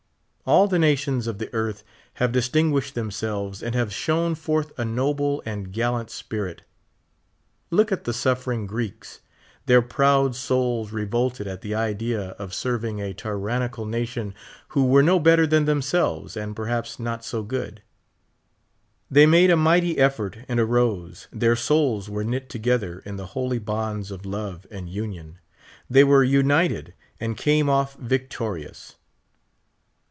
All the nations of the earth have dis tinguished themselves, and have shown forth a noble and a gallant spirit. Look at the suffering Greeks. Their proud souls revolted at tlie idea of serving a t3Tannical nation who were no better than themselves, and perhaps not so good. They made a mighty eflbrt and arose ; their souls were knit together in the holy bonds of love and union ; they were united, and came ofl' victorious.